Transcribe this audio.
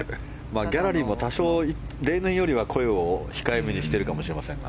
ギャラリーも多少例年よりは声を控えめにしているかもしれませんが。